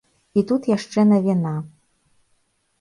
І тут яшчэ навіна.